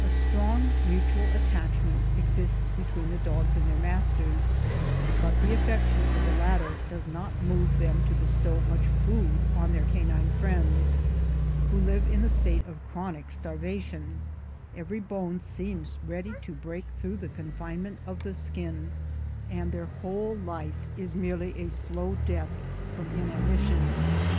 A strong mutual attachment exists between the dogs and their masters; but the affection of the latter does not move them to bestow much food on their canine friends, who live in a state of chronic starvation; every bone seems ready to break through the confinement of the skin, and their whole life is merely a slow death from inanition.